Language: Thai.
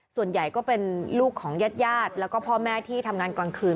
ส่วนใหญ่ก็เป็นลูกของญาติแล้วก็พ่อแม่ที่ทำงานกลางคืน